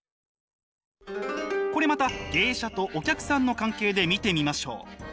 これまた芸者とお客さんの関係で見てみましょう。